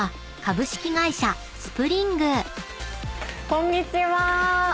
こんにちは！